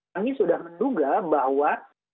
ini sudah menduga bahwa